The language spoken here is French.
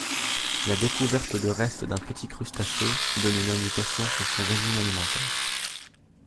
La découverte de restes d'un petit crustacé donne une indication sur son régime alimentaire.